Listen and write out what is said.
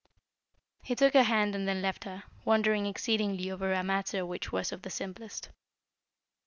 He took her hand and then left her, wondering exceedingly over a matter which was of the simplest.